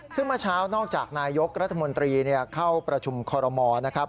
ซึ่งเมื่อเช้านอกจากนายกรัฐมนตรีเข้าประชุมคอรมอลนะครับ